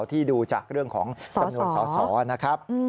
ที่ดูจากเรื่องของจำนวนสอสอนะครับ